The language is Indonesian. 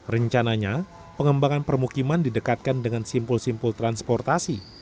rencananya pengembangan permukiman didekatkan dengan simpul simpul transportasi